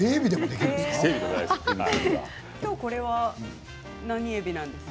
きょうこれは何えびなんですか？